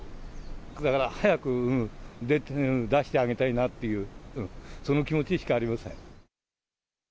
だから早く出してあげたいなっていう、その気持ちしかありません。